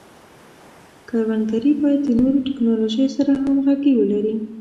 کروندګري باید د نوو ټکنالوژیو سره همغږي ولري.